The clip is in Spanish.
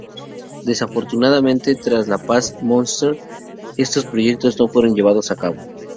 Desafortunadamente, tras la paz de Munster, estos proyectos no fueron llevados a cabo.